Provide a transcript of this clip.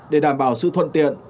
để đảm bảo sự thuận tiện